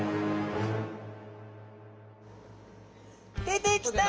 出てきた！